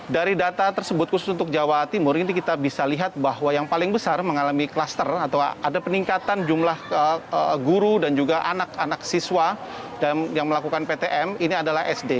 dari data tersebut khusus untuk jawa timur ini kita bisa lihat bahwa yang paling besar mengalami klaster atau ada peningkatan jumlah guru dan juga anak anak siswa yang melakukan ptm ini adalah sd